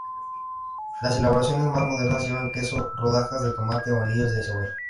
Las elaboraciones más modernas llevan queso, rodajas de tomate o anillos de cebolla.